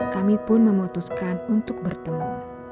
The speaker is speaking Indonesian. kami pun memutuskan untuk bertemu